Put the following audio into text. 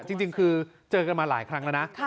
จริงคือเจอกันมาหลายครั้งแล้วนะ